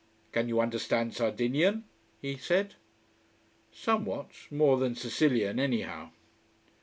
"Can you understand Sardinian?" he said. "Somewhat. More than Sicilian, anyhow."